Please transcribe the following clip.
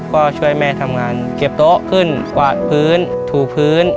ก็ช่วยแม่ทำงานเก็บโต๊ะขึ้นกวาดพื้นถูพื้น